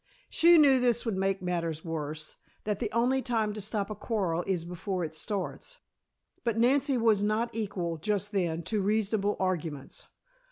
She knew this would make matters worse; that the only time to stop a quarrel is before it starts, but Nancy was not equal, just then, to reasonable arguments.